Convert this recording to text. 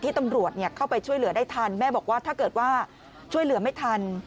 ตำรวจเข้าไปช่วยเหลือได้ทันแม่บอกว่าถ้าเกิดว่าช่วยเหลือไม่ทัน